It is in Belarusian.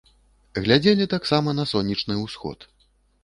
Глядзелі таксама на сонечны ўсход.